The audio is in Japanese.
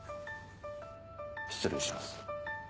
失礼します。